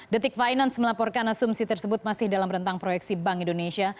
detik finance melaporkan asumsi tersebut masih dalam rentang proyeksi bank indonesia